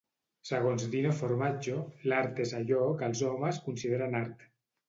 Segons Dino Formaggio l'art és allò que els homes consideren art.